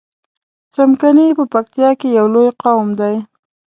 څمکني په پکتیا کی یو لوی قوم دی